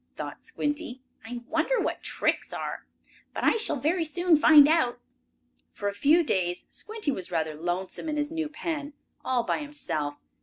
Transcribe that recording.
thought Squinty. "I wonder what tricks are? But I shall very soon find out." For a few days Squinty was rather lonesome in his new pen, all by himself.